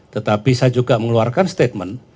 tetapi saya juga mengeluarkan statement